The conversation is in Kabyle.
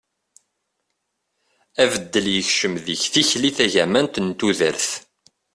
abeddel yekcem deg tikli tagamant n tudert